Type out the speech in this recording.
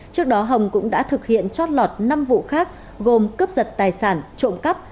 trước đó hồng cũng đã thực hiện trót lọt năm vụ khác gồm cướp giật tài sản trộm cắp